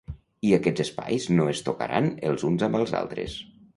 I aquests espais no es tocaran els uns amb els altres.